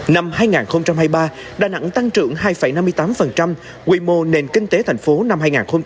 năm hai nghìn hai mươi ba đà nẵng tăng trưởng hai năm mươi tám quy mô nền kinh tế thành phố năm hai nghìn hai mươi ba